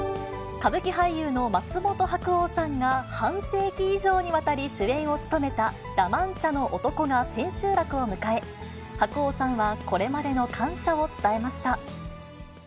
歌舞伎俳優の松本白鸚さんが半世紀以上にわたり、主演を務めたラ・マンチャの男が千秋楽を迎え、白鸚さんはこれまでの感謝を伝えました。